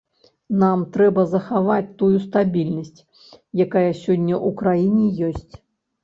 Нам трэба захаваць тую стабільнасць, якая сёння ў краіне ёсць.